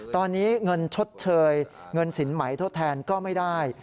ตอนนี้เงินชดเชยเงินสินไหมทดแทนก็ไม่ได้